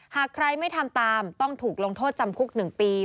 หากใครไม่ทำตามต้องถูกลงโทษจำคุก๑ปี